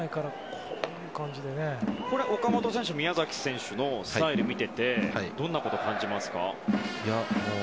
岡本選手は宮崎選手のスタイルを見ていてどんなことを感じますか？